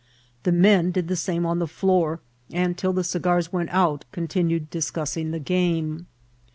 The men did the same on the floor, and till the cigars went out continued di^nissing the game.